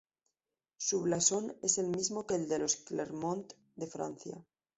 Su blasón es el mismo que el de los Clermont de Francia.